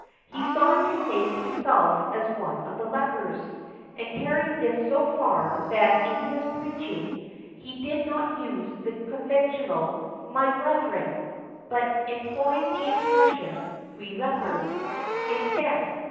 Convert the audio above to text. He sought to make himself as one of the lepers, and carried this so far that in his preaching he did not use the conventional "My brethren," but employed the expression, "We lepers," instead.